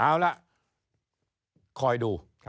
เอาล่ะคอยดู